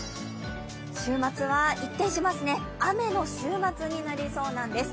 週末は一転しますね、雨の週末になりそうなんです。